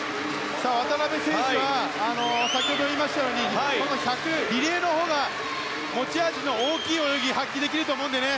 渡辺選手は先ほど言いましたように１００、リレーのほうが持ち味の大きい泳ぎを発揮できると思うのでね。